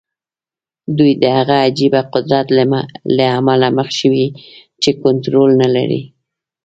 دوی د هغه عجيبه قدرت له امله مخ شوي چې کنټرول نه لري.